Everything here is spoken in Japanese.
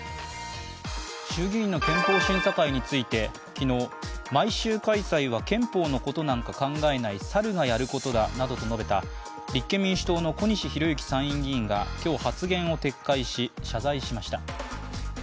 衆議院の憲法審査会について昨日、毎週開催は憲法のことなんか考えないサルがやることだなどと述べた立憲民主党の小西洋之参院議員が今日発言を撤回し、謝罪しました。